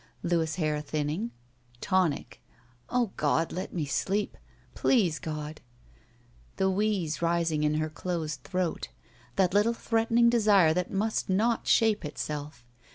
Louis' hair thinning. Tonic. O God! let me sleep I Please, God ! The wheeze rising in her closed throat. That little threatening desire that must not shape itself!